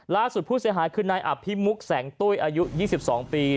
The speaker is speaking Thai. ผู้เสียหายคือนายอภิมุกแสงตุ้ยอายุ๒๒ปี